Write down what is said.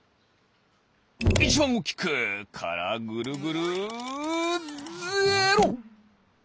いちばんおおきく！からぐるぐるゼロ！